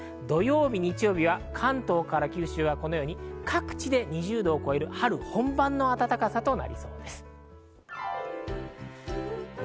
土曜日、日曜日は関東から九州は各地で２０度を超える春本番の暖かさとなりそうです。